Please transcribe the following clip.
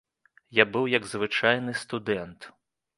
Я быў як звычайны студэнт.